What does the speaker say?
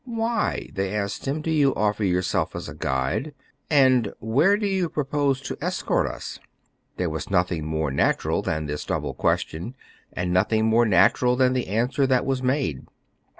" Why," they asked him, " do you offer yourself as a guide } and where do you propose to escort us >" There was nothing more natural than this double question, and nothing more natural than the answer that was made.